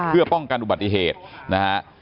เพื่อป้องกันอุบัติเหตุนะฮะ